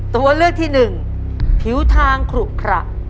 ตัวเลือกที่หนึ่งผิวทางขลุขระ